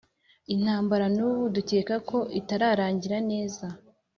intambara n'ubu dukeka ko itararangira neza,